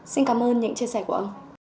xin cảm ơn những chia sẻ của ông